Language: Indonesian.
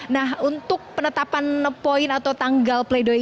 nah untuk penetapan poin atau tanggal pleidoye